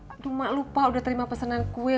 aduh mak lupa udah terima pesanan kue